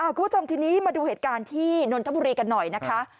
คุณผู้ชมทีนี้มาดูเหตุการณ์ที่นนทบุรีกันหน่อยนะคะ